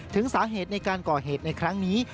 ถึงสาเหตุในการก่อเหตุในครั้งนี้